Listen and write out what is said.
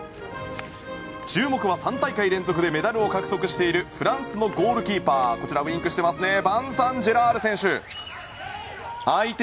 注目は３大会連続でメダルを獲得しているフランスのゴールキーパーバンサン・ジェラール選手。